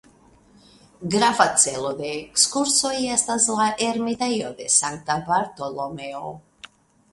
Grava celo de ekskursoj estas la ermitejo de Sankta Bartolomeo.